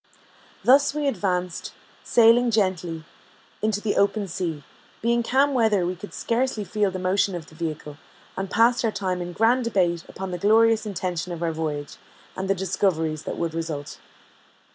Thus we advanced, sailing gently, into the open sea; being calm weather, we could scarcely feel the motion of the vehicle, and passed our time in grand debate upon the glorious intention of our voyage, and the discoveries that would result.